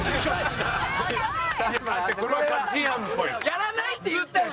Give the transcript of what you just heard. やらないって言ったのに。